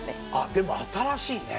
でも新しいね